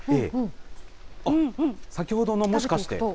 先ほどのもしかして？